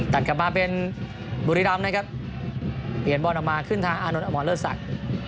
ตัดกลับมาเป็นดุริดำนะครับเปลี่ยนบอร์นออกมาขึ้นทางอานนท์อมรสรรค